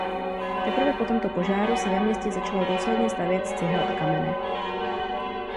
Teprve po tomto požáru se ve městě začalo důsledně stavět z cihel a kamene.